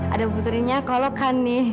ada bubutirinnya kalau lo kan nih